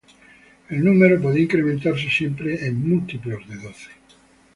El número podía incrementarse siempre en múltiplos de doce.